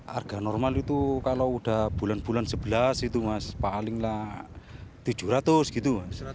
harga normal itu kalau udah bulan bulan sebelas itu mas palinglah rp tujuh ratus gitu mas